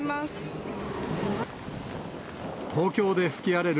東京で吹き荒れる